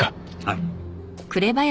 はい。